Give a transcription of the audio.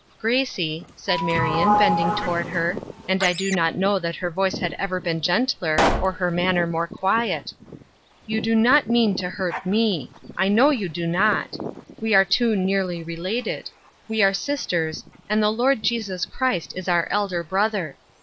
" Gracie," said Marion, bending toward her, and I do not know that her voice had ever been gentler or her manner more quiet, " you do not mean to hurt me ; I know you do not. We are too nearly related ; we are sisters, and the Lord Jesus Christ is our Elder Brother.